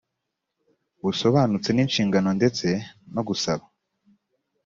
busobanutse n inshingano ndetse no gusaba